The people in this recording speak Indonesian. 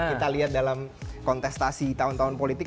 kita lihat dalam kontestasi tahun tahun politik